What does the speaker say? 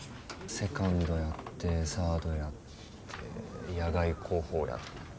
セカンドやってサードやって野外航法やって。